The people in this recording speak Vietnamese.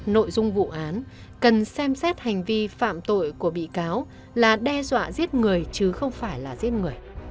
nội dung vụ án cần xem xét hành vi phạm tội của bị cáo là đe dọa giết người chứ không phải là giết người